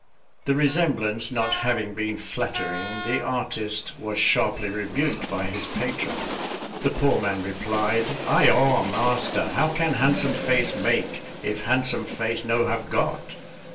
The resemblance not having been flattering, the artist was sharply rebuked by his patron. The poor man replied, "Ai awe, master, how can handsome face make if handsome face no have got?"